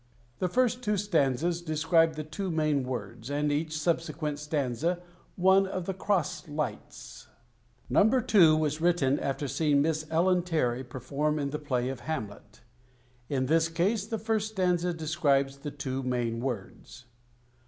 The first two stanzas describe the two main words, and each subsequent stanza one of the cross "lights." No. II. was written after seeing Miss Ellen Terry perform in the play of "Hamlet." In this case the first stanza describes the two main words.